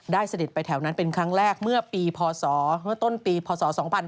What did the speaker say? ได้เสด็จไปแถวนั้นเป็นครั้งแรกเมื่อต้นปีพศ๒๕๑๖